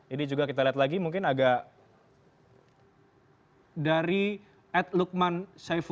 ini juga kita lihat lagi mungkin agak dari at lukman saiful